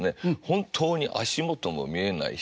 本当に足元も見えないし。